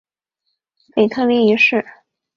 腓特烈一世。